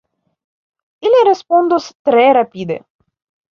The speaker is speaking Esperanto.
Ili respondos tre rapide!